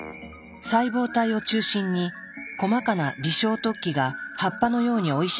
細胞体を中心に細かな微小突起が葉っぱのように生い茂った姿。